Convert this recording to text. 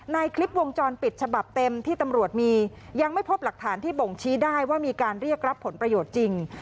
ในคลิปวงจรปิดฉบับเต็มที่ตำรวจมียังไม่พบหลักฐานที่บ่งชี้ได้ว่ามีการเรียกรับผลประโยชน์จริง